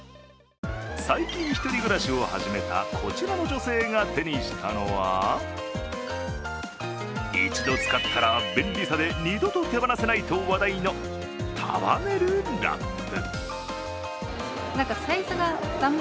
最近、１人暮らしを始めたこちらの女性が手にしたのは一度使ったら便利さで二度と手放せないと話題の、束ねるラップ。